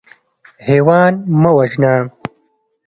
حیوان مه وژنه.